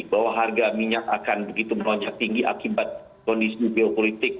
bahwa harga minyak akan begitu melonjak tinggi akibat kondisi geopolitik